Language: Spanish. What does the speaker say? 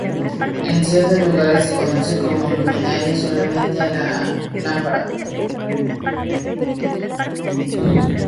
En ciertos lugares se conoce como luminaria solamente a la lámpara.